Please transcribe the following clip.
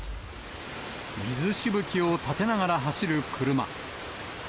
水しぶきを立てながら走る車。